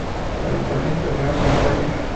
Radicales Italianos en Italia.